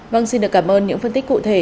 vâng xin được cảm ơn những phân tích cụ thể